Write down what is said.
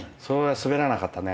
すべらなかったね。